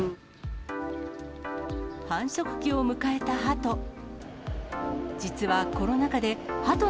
繁殖期を迎えたハト。